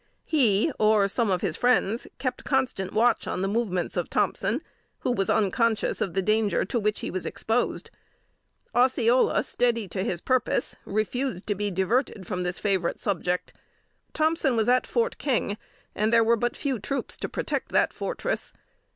He, or some of his friends, kept constant watch on the movements of Thompson, who was unconscious of the danger to which he was exposed. Osceola, steady to his purpose, refused to be diverted from this favorite object. Thompson was at Fort King, and there were but few troops to protect that fortress.